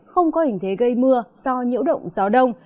không có hình thế gây mưa do nhiễu động gió đông